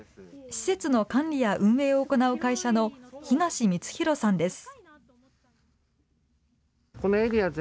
施設の管理や運営を行う会社の東光弘さんです。